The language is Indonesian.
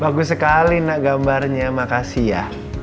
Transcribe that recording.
bagus sekali nak gambarnya makasih ya